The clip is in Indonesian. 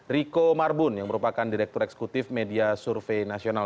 riko marbun yang merupakan direktur eksekutif media survei nasional